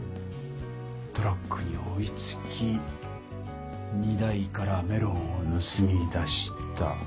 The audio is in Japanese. トラックに追いつき荷台からメロンをぬすみ出した。